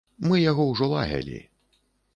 Мы яго ўжо лаялі.